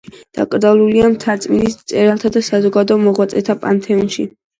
დაკრძალულია მთაწმინდის მწერალთა და საზოგადო მოღვაწეთა პანთეონში.